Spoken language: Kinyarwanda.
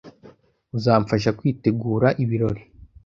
Uzamfasha kwitegura ibirori?